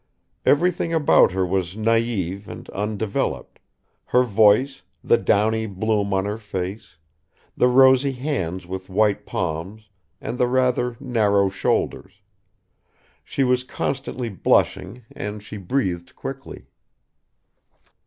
Everything about her was naive and undeveloped, her voice, the downy bloom on her face, the rosy hands with white palms and the rather narrow shoulders ... she was constantly blushing and she breathed quickly.